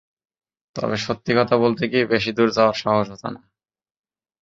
তবে সত্যি কথা বলতে কি, বেশি দূর যাওয়ার সাহস হতো না।